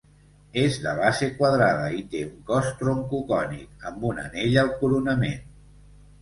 És de base quadrada i té un cos troncocònic, amb un anell al coronament.